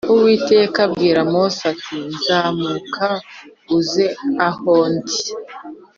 Uwiteka abwira Mose ati Zamuka uze aho ndi